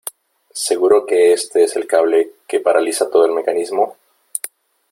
¿ seguro que este es el cable que paraliza todo el mecanismo ?